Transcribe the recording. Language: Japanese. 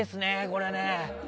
これね。